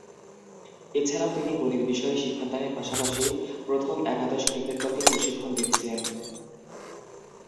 এছাড়াও তিনি গণিত বিষয়ে শিক্ষাদানের পাশাপাশি প্রথম একাদশ ক্রিকেট দলকে প্রশিক্ষণ দিচ্ছেন।